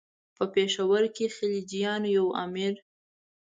په پېښور کې د خلجیانو یو امیر.